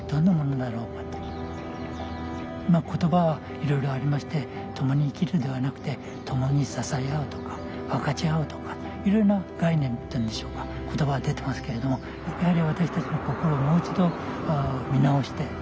まあ言葉はいろいろありましてともに生きるではなくてともに支え合うとか分かち合うとかいろいろな概念というんでしょうか言葉が出てますけれども高崎明です。